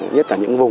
nhất là những vùng